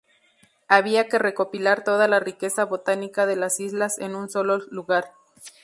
Había que recopilar toda la riqueza botánica de las islas en un sólo lugar.